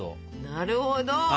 なるほど。